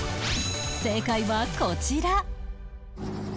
正解はこちら